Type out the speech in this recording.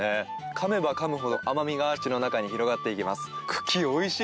かめばかむほど口の中に広がっていきます。